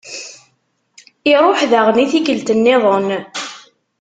Iṛuḥ daɣen i tikkelt-nniḍen.